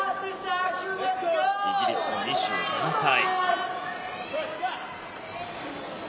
イギリスの２７歳。